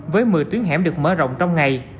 với một mươi tuyến hẻm được mở rộng trong ngày